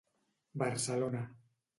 Barcelona.